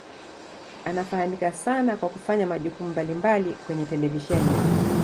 Anafahamika sana kwa kufanya majukumu mbalimbali kwenye televisheni.